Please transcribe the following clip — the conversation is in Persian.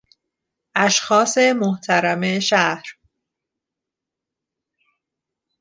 اشخاص محترم شهر